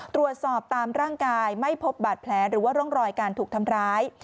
ตามร่างกายไม่พบบาดแผลหรือว่าร่องรอยการถูกทำร้าย